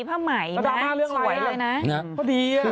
ผ้าใหม่สวยเลยนะ